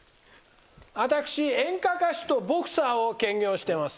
私演歌歌手とボクサーを兼業してます。